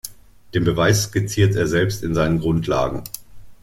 Den Beweis skizziert er selbst in seinen "Grundlagen".